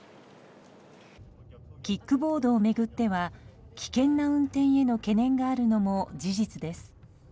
キックボードを巡っては危険な運転への懸念があるのも事実です。